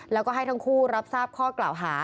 แล้วก็ให้ทั้งคู่รับทราบข้อกล่าวหา